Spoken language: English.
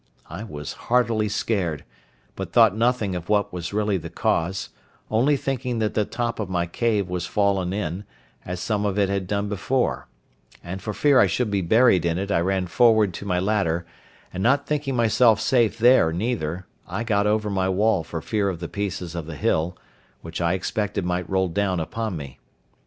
I was heartily scared; but thought nothing of what was really the cause, only thinking that the top of my cave was fallen in, as some of it had done before: and for fear I should be buried in it I ran forward to my ladder, and not thinking myself safe there neither, I got over my wall for fear of the pieces of the hill, which I expected might roll down upon me.